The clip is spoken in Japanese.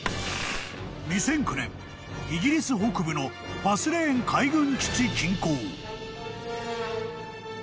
［２００９年イギリス北部のファスレーン海軍基地近郊］